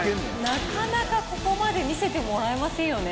なかなか、ここまで見せてもらえませんよね。